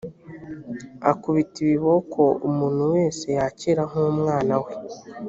akubita ibiboko umuntu wese yakira nk umwana we